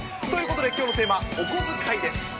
ということできょうのテーマ、おこづかいです。